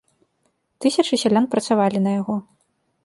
Тысячы сялян працавалі на яго.